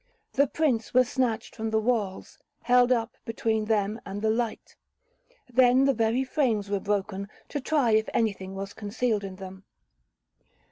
The prints were snatched from the walls,—held up between them and the light.—Then the very frames were broken, to try if any thing was concealed in them.